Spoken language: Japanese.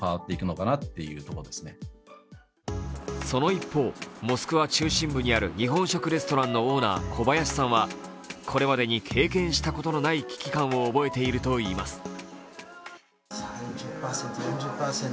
その一方、モスクワ中心部にある日本食レストランのオーナー、小林さんはこれまでに経験したことのない危機感を覚えているといいます。